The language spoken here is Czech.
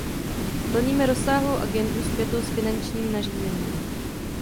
Plníme rozsáhlou agendu spjatou s finančním nařízením.